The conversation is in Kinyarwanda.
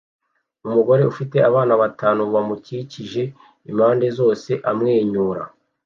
Umugore ufite abana batanu bamukikije impande zose amwenyura